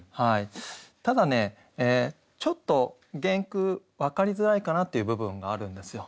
ただねちょっと原句分かりづらいかなっていう部分があるんですよ。